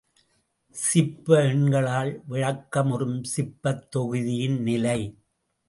சிப்ப எண்களால் விளக்கமுறும் சிப்பத் தொகுதியின் நிலை.